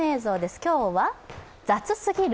今日は、雑すぎる？